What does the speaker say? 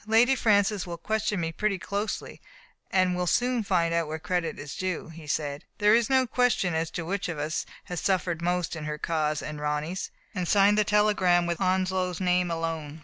"Lady Francis will question me pretty closely, and will soon find out where credit is due," he said. "There is no question as to which of us has suffered most in her cause and Ronny*s." And he signed the telegram with Onslow's name alone.